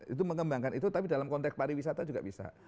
itu mengembangkan itu tapi dalam konteks pariwisata juga bisa